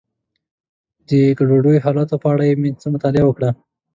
د دې ګډوډو حالاتو په اړه مې څه مطالعه وکړه.